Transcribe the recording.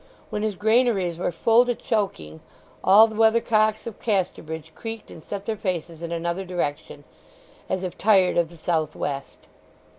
When his granaries were full to choking all the weather cocks of Casterbridge creaked and set their faces in another direction, as if tired of the south west.